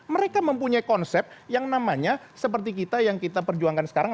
mereka mempunyai konsep yang namanya seperti kita yang kita perjuangkan sekarang